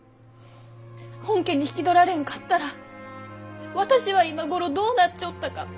本家に引き取られんかったら私は今頃どうなっちょったか。